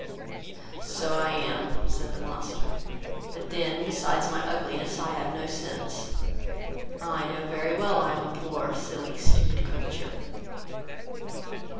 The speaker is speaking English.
"So I am, (said the monster,) but then, besides my ugliness, I have no sense; I know very well that I am a poor, silly, stupid creature."